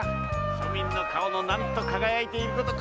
庶民の顔の何と輝いていること。